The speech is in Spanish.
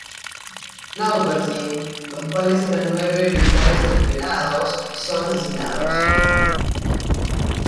Nobody, los cuales eran nueve militares entrenados, son asesinados.